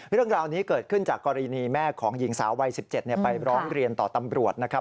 เรื่องราวนี้เกิดขึ้นจากกรณีแม่ของหญิงสาววัย๑๗ไปร้องเรียนต่อตำรวจนะครับ